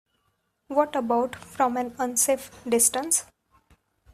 What about from an unsafe distance?